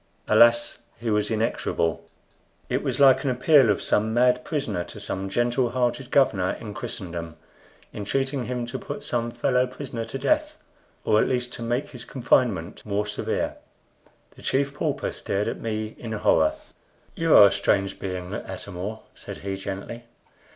Alas! he was inexorable. It was like an appeal of some mad prisoner to some gentle hearted governor in Christendom, entreating him to put some fellow prisoner to death, or at least to make his confinement more severe. The Chief Pauper stared at me in horror. "You are a strange being, Atam or," said he, gently.